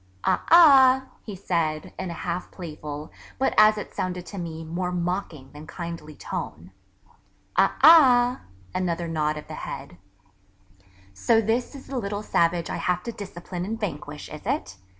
'Aa ah,' he said, in a half playful, but as it sounded to me, more mocking, than kindly tone, 'Aa ah' (another nod of the head), 'so this is the little Savage I have to discipline and vanquish, is it?